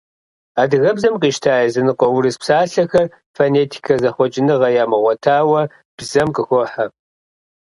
Адыгэбзэм къищта языныкъуэ урыс псалъэхэр фонетикэ зэхъуэкӏыныгъэ ямыгъуэтауэ бзэм къыхохьэ.